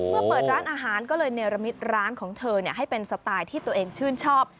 เปิดร้านอาหารก็เลยเนรมิตร้านของเธอให้เป็นสไตล์ที่ตัวเองชื่นชอบ